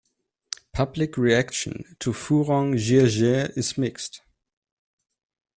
Public reaction to Furong Jiejie is mixed.